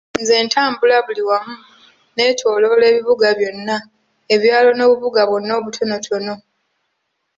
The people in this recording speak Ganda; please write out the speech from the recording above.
Nze ntambula buli wamu; neetooloola ebibuga byonna, ebyalo n'obubuga bwonna obutonotono.